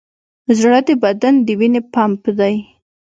زړه د بدن د وینې پمپ دی.